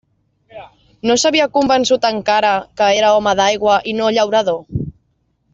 No s'havia convençut encara que era home d'aigua i no llaurador?